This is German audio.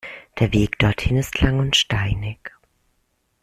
Der Weg dorthin ist lang und steinig.